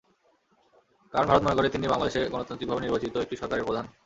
কারণ ভারত মনে করে, তিনি বাংলাদেশে গণতান্ত্রিকভাবে নির্বাচিত একটি সরকারের প্রধান।